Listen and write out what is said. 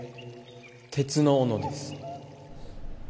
鉄の斧です。